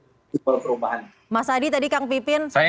di pol perubahan mas adi tadi kang pipin